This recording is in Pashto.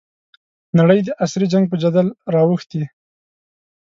نړۍ د عصري جنګ په جدل رااوښتې.